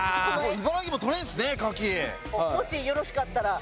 茨城もとれるんですね牡蠣。